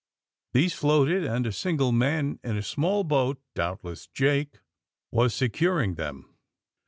These floated, and a single man in a small boat, doubtless Jake, was securing them.